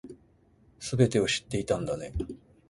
全てを知っていたんだね